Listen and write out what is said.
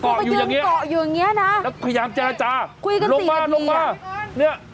เจ้าก็ยืนเกาะอยู่อย่างนี้นะแล้วพยายามเจ้าหน้าจ้าลงมานี่คุยกัน๔นาที